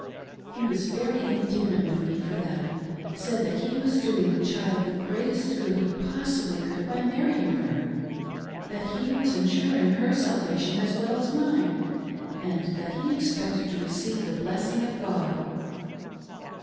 He was very indignant writh me for that, said that he was doing the child the greatest good he possibly could by marrying her ; that he was ensuring her salvation as well as mine ; and that he expected to receive the blessing of God."